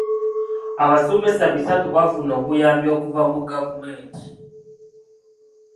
Abasomesa bisatu baafuna obuyambi okuva mu gavumenti.